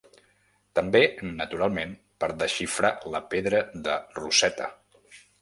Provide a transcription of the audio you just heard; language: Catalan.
També, naturalment, per desxifrar la pedra de Rosetta.